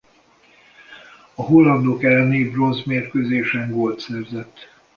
A hollandok elleni bronzmérkőzésen gólt szerzett.